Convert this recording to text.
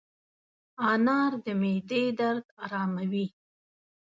انار د معدې درد اراموي.